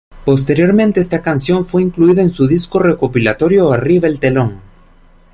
Posteriormente esta canción fue incluida en su disco recopilatorio "Arriba el telón".